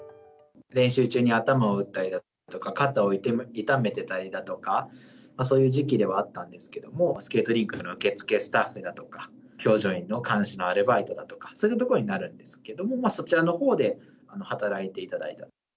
練習中に頭を打ったりだとか、肩を痛めてたりだとか、そういう時期ではあったんですけども、スケートリンクの受付スタッフだとか、氷上の監視のアルバイトだとか、そういった所になるんですけれども、そちらのほうで、働いていただいたと。